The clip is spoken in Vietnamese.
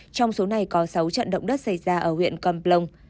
trong số này có sáu trận động đất xảy ra ở huyện con plong